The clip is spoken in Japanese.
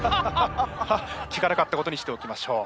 聞かなかったことにしておきましょう。